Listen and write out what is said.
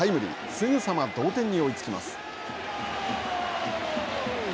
すぐさま同点に追いつきます。